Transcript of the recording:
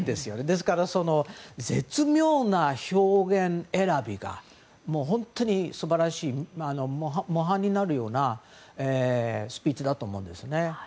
ですから、絶妙な表現選びが素晴らしい模範になるようなスピーチだと思うんですね。